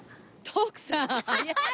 徳さん速い！